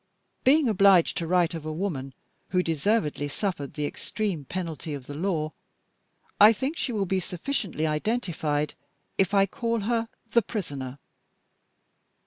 Being obliged to write of a woman who deservedly suffered the extreme penalty of the law, I think she will be sufficiently identified if I call her The Prisoner.